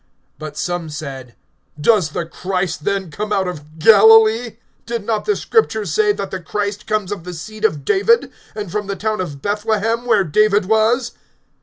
But some said: Does the Christ then come out of Galilee? (42)Did not the Scripture say, that the Christ comes of the seed of David, and from the town of Bethlehem, where David was?